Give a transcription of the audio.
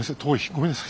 ごめんなさい